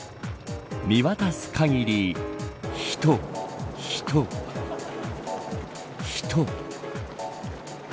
見渡す限り人、人、人。